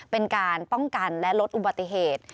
เป็นการป้องกันและลดอุบัติเหตุ